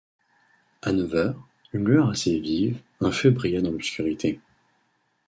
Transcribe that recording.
À neuf heures, une lueur assez vive, un feu brilla dans l’obscurité.